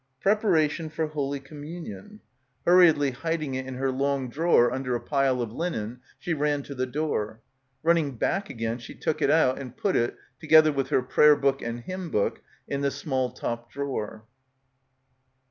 "Preparation for Holy Communion." Hurriedly hiding it in — 138 — BACKWATER her long drawer under a pile of linen, she ran to the door. Running back again she took it out and put it, together with her prayer book and hymn book, in the small top drawer.